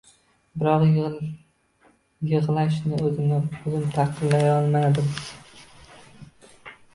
Biroq yig’lashni o’zimga o’zim taqiqlayolmadim.